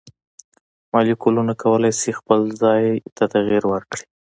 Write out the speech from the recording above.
مالیکولونه کولی شي خپل ځای ته تغیر ورکړي.